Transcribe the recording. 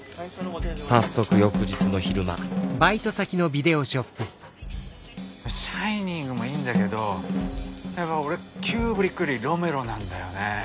早速翌日の昼間「シャイニング」もいいんだけどやっぱ俺キューブリックよりロメロなんだよね。